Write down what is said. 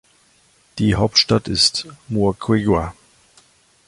Die Hauptstadt ist Moquegua.